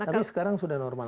tapi sekarang sudah normal